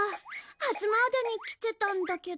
初詣に来てたんだけど。